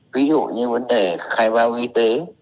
ví dụ như vấn đề khai bao y tế